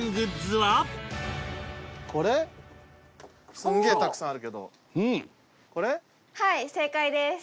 はい正解です。